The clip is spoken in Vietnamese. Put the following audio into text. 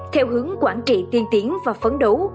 theo hướng quản trị tiên tiến và phấn đấu